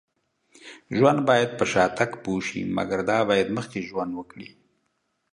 ژوند باید په شاتګ پوه شي. مګر دا باید مخکې ژوند وکړي